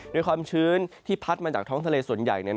ความชื้นที่พัดมาจากท้องทะเลส่วนใหญ่